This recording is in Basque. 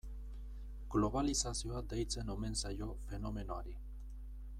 Globalizazioa deitzen omen zaio fenomenoari.